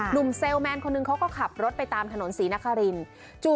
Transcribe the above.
เซลล์แมนคนหนึ่งเขาก็ขับรถไปตามถนนศรีนครินทร์